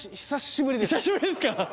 久しぶりですか